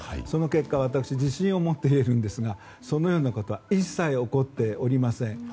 その結果私は自信を持って言えるんですがそのようなことは一切、起こっておりません。